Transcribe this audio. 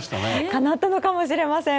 かなったのかもしれません。